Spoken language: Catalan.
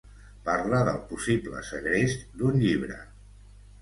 Parla del possible segrest d'un llibre